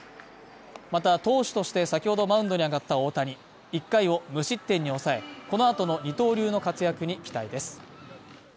また投手として先ほどマウンドに上がった大谷１回を無失点に抑え、この後の二刀流の活躍に期待です。